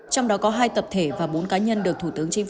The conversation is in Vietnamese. trong đó có hai tập thể và bốn cá nhân được thủ tục